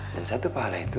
dan satu pahala itu